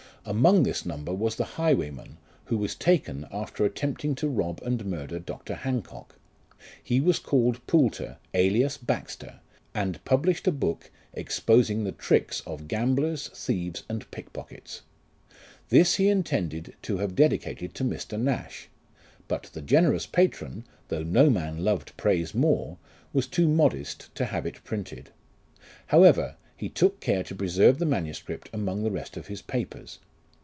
Among this number was the highwayman, who was taken after attempting to rob and murder Dr. Hancock. He was called Poulter, alias Baxter, and published a book, exposing the tricks of gamblers, thieves, and pickpockets. This he intended to have dedicated to Mr. Nash ; but the generous patron, though no man loved praise more, was too modest to have it printed. How ever, he took care to preserve the manuscript among the rest of his papers.